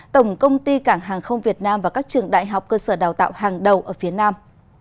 tổng công ty cảng hàng không việt nam và các trường đại học cơ sở đào tạo hàng đầu ở phía nam